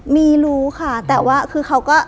มีรู้ค่ะแต่ว่าคือเขาก็